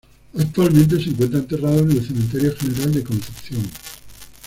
Actualmente se encuentra enterrado en el Cementerio General de Concepción.